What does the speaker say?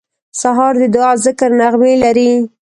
سهار د دعا او ذکر نغمې لري.